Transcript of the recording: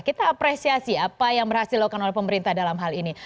kita apresiasi apa yang berhasil dilakukan oleh pemerintah dalam hal ini